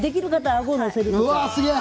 うわあ、すげえ！